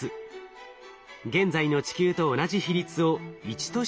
現在の地球と同じ比率を１として示しています。